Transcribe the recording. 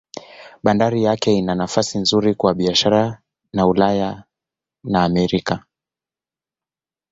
Bandari yake ina nafasi nzuri kwa biashara na Ulaya na Amerika.